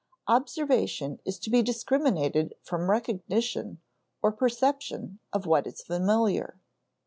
Observation is to be discriminated from recognition, or perception of what is familiar.